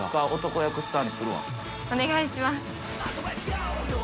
お願いします。